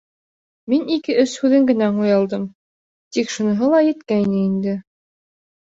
Мин ике-өс һүҙен генә аңлай алдым, тик шуныһы ла еткәйне инде.